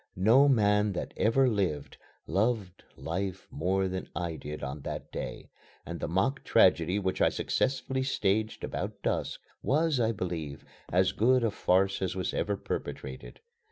No man that ever lived, loved life more than I did on that day, and the mock tragedy which I successfully staged about dusk was, I believe, as good a farce as was ever perpetrated.